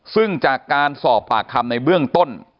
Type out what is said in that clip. ซึ่งจากการสอบปากคำในเบื้องต้น